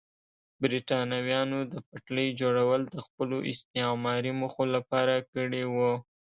برېټانویانو د پټلۍ جوړول د خپلو استعماري موخو لپاره کړي وو.